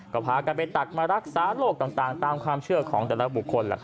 ก็พากันไปตัดมารักษาโรคต่างตามความเชื่อของแต่ละบุคคล